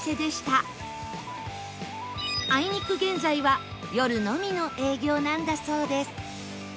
あいにく現在は夜のみの営業なんだそうです